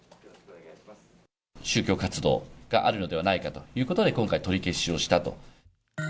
宗教活動があるのではないかということで、今回、取り消しをしたと。